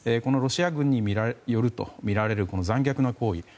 ロシア軍によるとみられるこの残虐な行為。